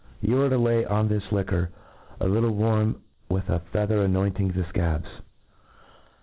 You are to lay on this liquor a little warm, with a feather anointing the fcabs.